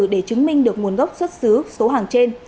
để chứng minh được nguồn gốc xuất xứ số hàng trên